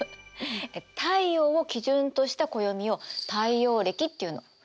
太陽を基準とした暦を太陽暦っていうの。